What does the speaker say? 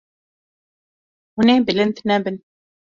Hûn ê bilind nebin.